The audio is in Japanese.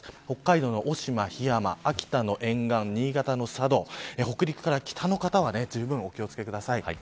北海道の渡島、檜山秋田の沿岸、新潟の佐渡北陸から北の方はじゅうぶんお気を付けください。